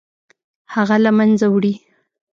هغه له منځه وړي.